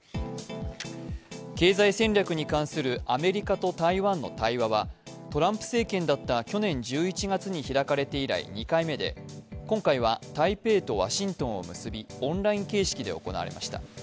経済戦略に関するアメリカと台湾の対話はトランプ政権だった去年１１月に開かれて以来２回目で、今回は台北とワシントンを結び、オンライン形式で行われました。